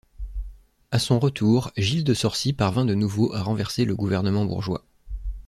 À son retour, Gilles de Sorcy parvint de nouveau à renverser le gouvernement bourgeois.